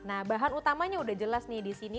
nah bahan utamanya udah jelas nih disini